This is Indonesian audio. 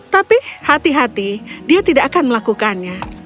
tapi hati hati dia tidak akan melakukannya